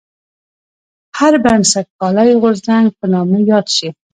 هر بنسټپالی غورځنګ په نامه یاد شي.